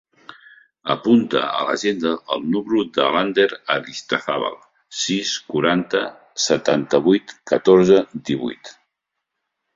Apunta a l'agenda el número de l'Ander Aristizabal: sis, quaranta, setanta-vuit, catorze, divuit.